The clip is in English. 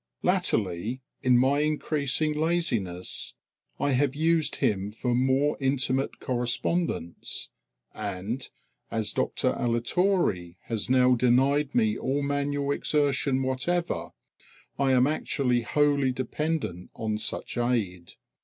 Latterly, in my increasing laziness, I have used him for more intimate correspondence; and, as Doctor Allitore has now denied me all manual exertion whatever, I am actually wholly dependent on such aid.